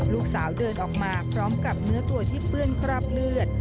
ลูกสาวเดินออกมาพร้อมกับเนื้อตัวที่เปื้อนคราบเลือด